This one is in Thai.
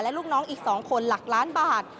ลูกน้องอีก๒คนหลักล้านบาท